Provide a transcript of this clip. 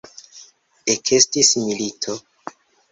Ekestis milito.